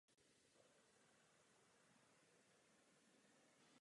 Kromě samotného zařízení potřebují pouze internetové připojení.